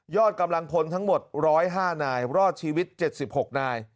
กำลังพลทั้งหมด๑๐๕นายรอดชีวิต๗๖นาย